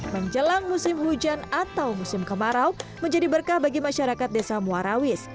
menjelang musim hujan atau musim kemarau menjadi berkah bagi masyarakat desa muarawis